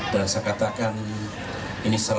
dan saya katakan ini sebetulnya